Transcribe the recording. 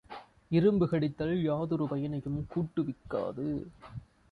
இரும்பு கடித்தல் யாதொரு பயனையும் கூட்டுவிக்காது.